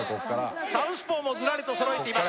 サウスポーもずらりと揃えています